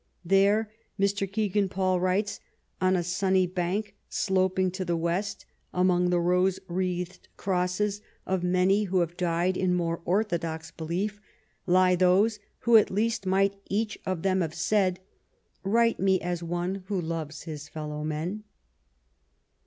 "There,'^ Mr. Kegan Paul writes, '' on a sunny bank sloping to the west, among the rose wreathed crosses of many who LAST MONTHS: DEATH, 209 have died in more orthodox beliefs^ lie those who at least might each of them have said^ —* Write me as one who loves his fellow men.